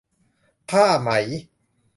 ผ้าไหม